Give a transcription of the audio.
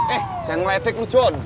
eh jangan lebek lu john